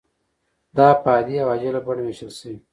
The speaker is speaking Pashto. دا په عادي او عاجله بڼه ویشل شوې.